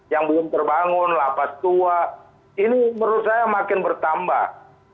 yang belum terbangun lapas tua ini menurut saya makin bertambah